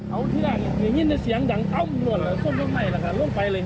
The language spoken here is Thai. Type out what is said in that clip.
มันนอนอยู่ไหนล่ะเข้าแปลก